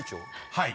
［はい］